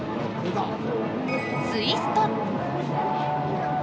ツイスト。